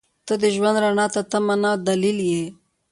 • ته د ژوند رڼا ته تمه نه، دلیل یې.